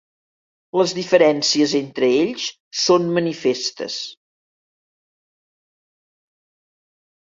Les diferències entre ells són manifestes.